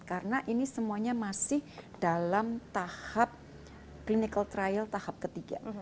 karena ini semuanya masih dalam tahap clinical trial tahap ketiga